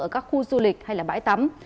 ở các khu du lịch hay bãi tắm